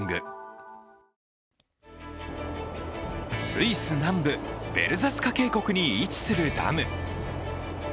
スイス南部ヴェルザスカ渓谷に位置するダム。